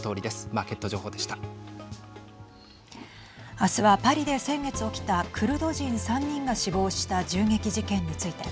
明日はパリで先月起きたクルド人３人が死亡した銃撃事件について。